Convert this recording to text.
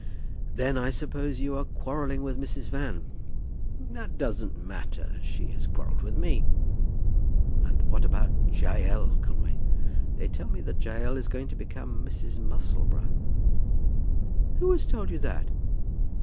"Then I suppose you are quarrelling with Mrs. Van?" "That doesn't matter. She has quarrelled with me." "And what about Jael, Conway? They tell me that Jael is going to become Mrs. Musselboro." "Who has told you that?"